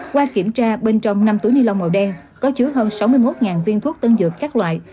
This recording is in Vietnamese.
qua kiểm tra bên trong năm túi ni lông màu đen có chứa hơn sáu mươi một viên thuốc tân dược các loại